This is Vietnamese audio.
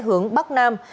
hướng bắc nam